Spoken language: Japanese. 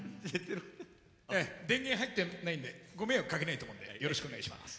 電源入ってないんでご迷惑かけないと思うんでよろしくお願いします。